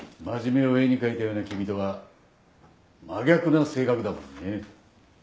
真面目を絵に描いたような君とは真逆な性格だもんね。